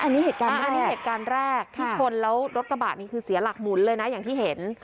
อันนี้เหตุการณ์แรกที่ชนแล้วรถกระบะนี่คือเสียหลักหมุนเลยนะอย่างที่เห็น